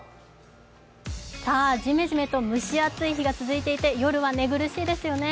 ジメジメと蒸し暑い日が続いていて、夜は寝苦しいですよね。